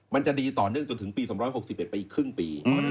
มันจะดีต่อเนื่องจนถึงปี๒๖๑ไปอีกครึ่งปี